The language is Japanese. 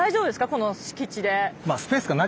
この敷地で。